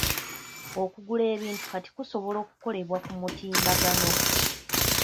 Okugula ebintu kati kusobola okukolebwa ku mutimbagano.